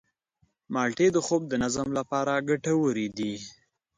مالټې د خوب د نظم لپاره ګټورې دي.